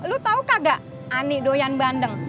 lu tahu kagak ani doyan bandeng